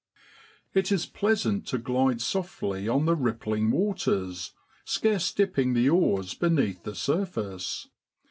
o # o It is pleasant to glide softly on the rippling waters, scarce dipping the oars beneath the surface.